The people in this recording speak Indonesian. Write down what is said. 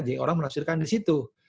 jadi orang menafsirkan di situ